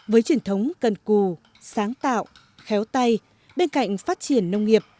với truyền thống cần cù sáng tạo khéo tay bên cạnh phát triển nông nghiệp